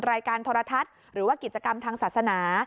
รายการโทรทัศน์หรือว่ากิจกรรมทางศาสนา